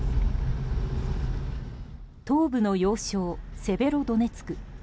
東部の要衝セベロドネツク。